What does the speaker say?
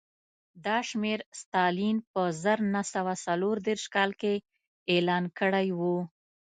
دا شمېر ستالین په زر نه سوه څلور دېرش کال کې اعلان کړی و